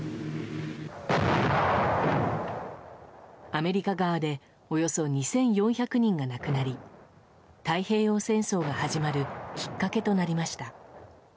アメリカ側でおよそ２４００人が亡くなり太平洋戦争が始まるきっかけとなりました。